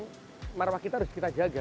saya bilang marwah kita harus kita jaga